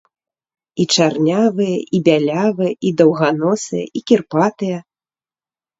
І чарнявыя, і бялявыя, і даўганосыя, і кірпатыя.